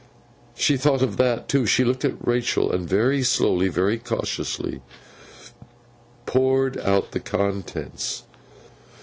She thought of that, too. She looked at Rachael, and very slowly, very cautiously, poured out the contents.